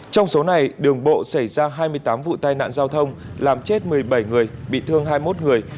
trong số này đường bộ xảy ra hai mươi tám vụ tai nạn giao thông làm chết một mươi bảy người bị thương hai mươi một người